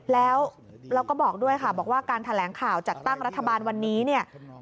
แล้วก็บอกด้วยค่ะบอกว่าการแถลงข่าวจัดตั้งรัฐบาลวันนี้เนี่ย